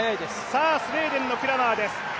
スウェーデンのクラマーです